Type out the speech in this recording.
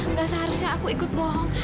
nggak seharusnya aku ikut bohong